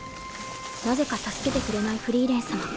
なぜか助けてくれないフリーレン様。